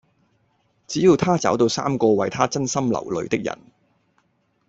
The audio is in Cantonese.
只要她找到三個為她真心流淚的人